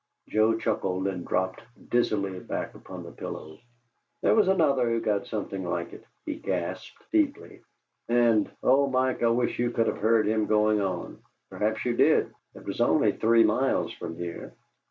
Joe chuckled and dropped dizzily back upon the pillow. "There was another who got something like it," he gasped, feebly; "and, oh, Mike, I wish you could have heard him going on! Perhaps you did it was only three miles from here."